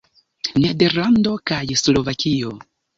Nederlando kaj Slovakio.